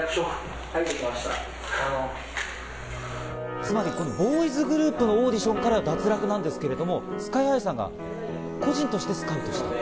つまりボーイズグループのオーディションからは脱落なんですけど、ＳＫＹ−ＨＩさんが個人としてスカウトした。